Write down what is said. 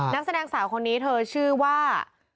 นักแสดงสาวคนนี้เธอชื่อว่า